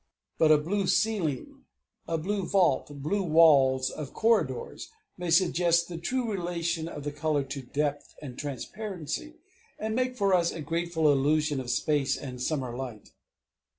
But a blue ceiling, a blue vault, blue walls of corridors, may suggest the true relation of the color to depth and transparency, and make for us a grateful illusion of space and summer light.